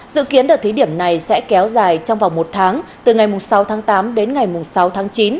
dự kiến đợt thí điểm này sẽ kéo dài trong vòng một tháng từ ngày sáu tháng tám đến ngày sáu tháng chín